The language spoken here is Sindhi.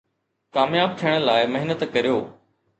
ڪامياب ٿيڻ لاءِ محنت ڪريو